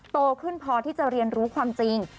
โตขึ้นพอที่จะเรียนรู้ความจริง